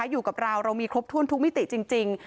อยู่กับเราเรามีครบถ้วนทุกมิติจริง